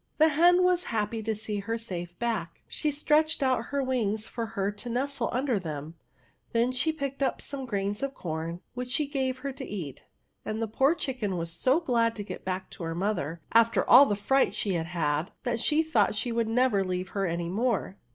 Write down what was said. The Ii^n was happy to see her safe back ! I^e stretched out her wings for her to nestle under them : then she picked up some grains of com, which she gave her to eat ; and the poor chicken was so glad to get baxsk to her mother, after all the fi%ht she had had, that she thought she would never leave her any more.